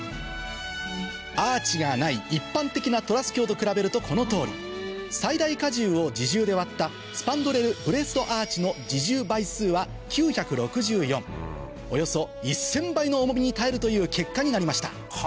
アーチがない一般的なトラス橋と比べるとこの通り最大荷重を自重で割ったスパンドレルブレースドアーチの自重倍数は９６４およそ１０００倍の重みに耐えるという結果になりました